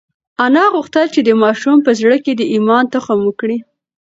انا غوښتل چې د ماشوم په زړه کې د ایمان تخم وکري.